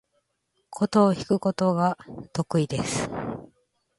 箏を弾くことが得意です。